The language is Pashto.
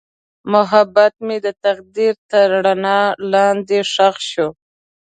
محبت مې د تقدیر تر رڼا لاندې ښخ شو.